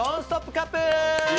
カップ！